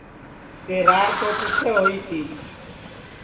کہ راڑ تو تیسے ہوئی تی